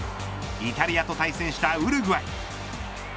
イタリアと対戦したウルグアイ。